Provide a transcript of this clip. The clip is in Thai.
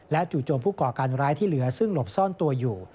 จู่โจมผู้ก่อการร้ายที่เหลือซึ่งหลบซ่อนตัวอยู่